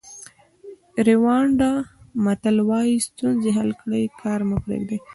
ریوانډا متل وایي ستونزې حل کړئ کار مه پریږدئ.